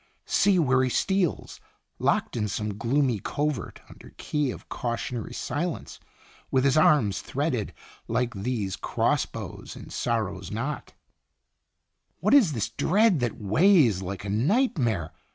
' See where he steals Locked in some gloomy covert under key Of cautionary silence, with his arms Threaded, like these cross boughs, in sorrow's knot.* Itinerant fanse. 19 What is this dread that weighs like a night mare